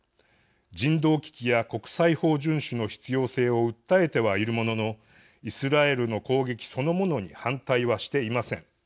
人道危機や国際法順守の必要性を訴えてはいるもののイスラエルの攻撃そのものに反対はしていません。